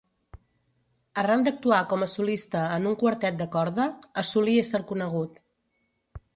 Arran d'actuar com a solista en un quartet de corda, assoli ésser conegut.